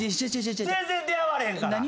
全然出会われへんから。